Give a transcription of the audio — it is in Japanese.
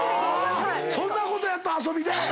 そんなことやって遊びで⁉